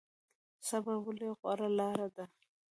صبر ولې غوره لاره ده؟